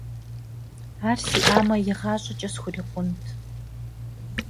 Ар сиӀамэ, игъащӀэкӀэ схурикъунт.